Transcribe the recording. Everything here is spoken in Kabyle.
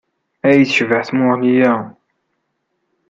Ay tecbeḥ tmuɣli-a!